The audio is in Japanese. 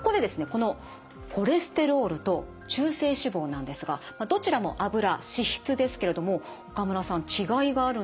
このコレステロールと中性脂肪なんですがどちらも脂脂質ですけれども岡村さん違いがあるんですよね。